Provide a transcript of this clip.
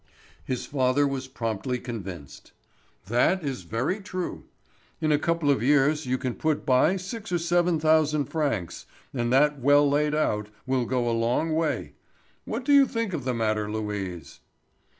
His father was promptly convinced. "That is very true. In a couple of years you can put by six or seven thousand francs, and that well laid out, will go a long way. What do you think of the matter, Louise?"